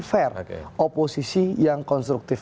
fair oposisi yang konstruktif